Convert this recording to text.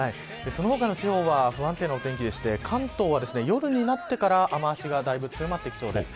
その他の地方は不安定なお天気でして関東は夜になってから雨脚が強まってきそうです。